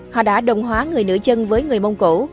họ đã đồng hóa người nữ chân với người mông cổ